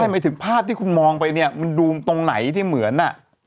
หมายถึงภาพที่คุณมองไปเนี่ยมันดูมตรงไหนที่เหมือน